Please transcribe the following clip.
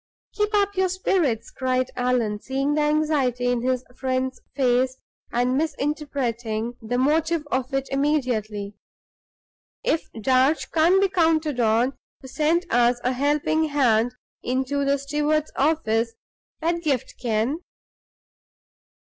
"Keep up your spirits!" cried Allan, seeing the anxiety in his friend's face, and misinterpreting the motive of it immediately. "If Darch can't be counted on to send us a helping hand into the steward's office, Pedgift can."